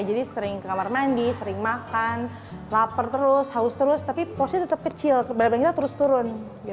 jadi sering ke kamar mandi sering makan lapar terus haus terus tapi porsinya tetap kecil barang barang kita terus turun